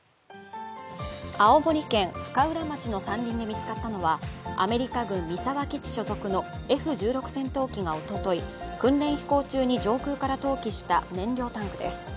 青森県深浦町の山林で見つかったのはアメリカ軍三沢基地所属のＦ１６戦闘機がおととい、訓練飛行中に上空から投棄した燃料タンクです。